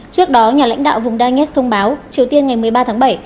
trước đó nhà lãnh đạo vùng đai nghét thông báo triều tiên ngày một mươi ba tháng bảy